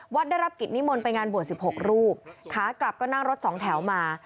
ได้รับกิจนิมนต์ไปงานบวช๑๖รูปขากลับก็นั่งรถสองแถวมา